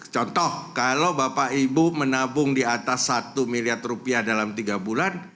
contoh kalau bapak ibu menabung di atas satu miliar rupiah dalam tiga bulan